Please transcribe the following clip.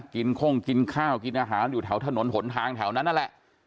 คงกินข้าวกินอาหารอยู่แถวถนนหนทางแถวนั้นนั่นแหละ